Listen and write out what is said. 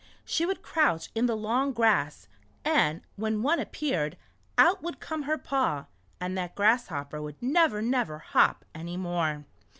She would crouch in the long grass, and when one appeared, out would come her paw, and that grasshopper would never, never hop any more.